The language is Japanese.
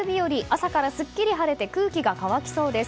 朝からすっきり晴れて空気が乾きそうです。